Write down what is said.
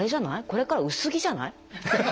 これからは薄着じゃない？